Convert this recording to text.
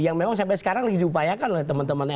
yang memang sampai sekarang lagi diupayakan oleh teman teman